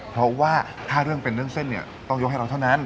เพราะว่าถ้าเรื่องเป็นเรื่องเส้นเนี่ยต้องยกให้เราเท่านั้น